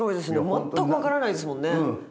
全く分からないですもんね。